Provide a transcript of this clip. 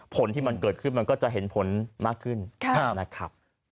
ผลที่มันเกิดขึ้นมันก็จะเห็นผลมากขึ้นนะครับ